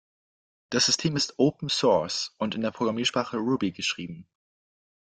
Das System ist "Open Source" und in der Programmiersprache Ruby geschrieben.